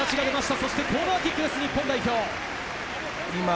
そしてコーナーキックです、日本代表。